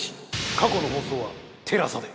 過去の放送はＴＥＬＡＳＡで。